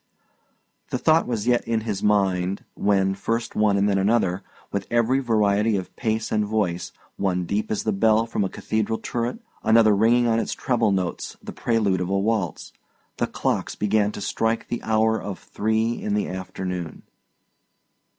The thought was yet in his mind, when, first one and then another, with every variety of pace and voice one deep as the bell from a cathedral turret, another ringing on its treble notes the prelude of a waltz, the clocks began to strike the hour of three in the afternoon.